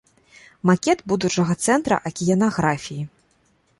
Макет будучага цэнтра акіянаграфіі.